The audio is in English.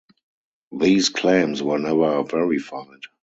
These claims were never verified.